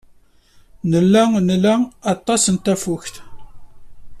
Nella nla aṭas n tafukt.